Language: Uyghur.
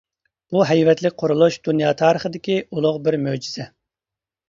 بۇ ھەيۋەتلىك قۇرۇلۇش دۇنيا تارىخىدىكى ئۇلۇغ بىر مۆجىزە.